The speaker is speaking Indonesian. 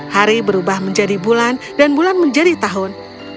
hari berubah menjadi bulan dan bulan menjadi tahun